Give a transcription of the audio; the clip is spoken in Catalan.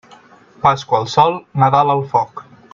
Pasqua al sol, Nadal al foc.